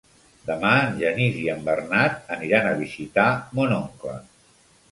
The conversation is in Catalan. Demà en Genís i en Bernat aniran a visitar mon oncle.